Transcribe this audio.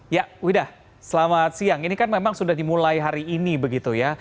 ya wida selamat siang ini kan memang sudah dimulai hari ini begitu ya